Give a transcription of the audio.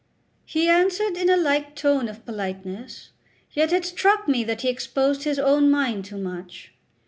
He answered in a like tone of politeness; yet it struck me that he exposed his own mind too much.